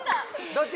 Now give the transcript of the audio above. どっち？